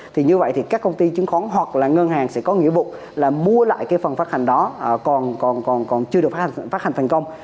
thì như vậy thì các công ty chứng khoán hoặc là ngân hàng sẽ có nghĩa vụ là mua lại cái phần phát hành đó còn chưa được phát hành thành công